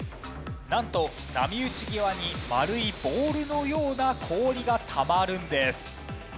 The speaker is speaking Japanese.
なんと波打ち際に丸いボールのような氷がたまるんです。